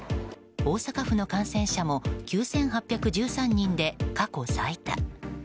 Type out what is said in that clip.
大阪府の感染者も９８１３人で過去最多。